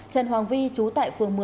trần hoàng vi trú tại phường một mươi